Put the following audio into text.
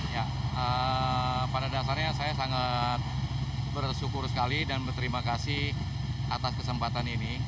ya pada dasarnya saya sangat bersyukur sekali dan berterima kasih atas kesempatan ini